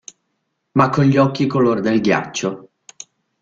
Ma con gli occhi color del ghiaccio.